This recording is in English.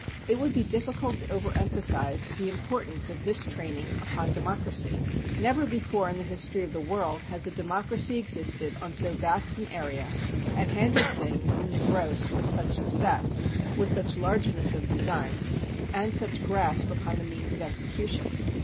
It would be difficult to over emphasize the importance of this training upon democracy. Never before in the history of the world has a democracy existed on so vast an area and handled things in the gross with such success, with such largeness of design, and such grasp upon the means of execution.